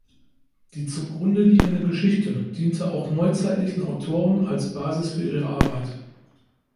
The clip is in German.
Die zu Grunde liegende Geschichte diente auch neuzeitlichen Autoren als Basis für ihre Arbeiten.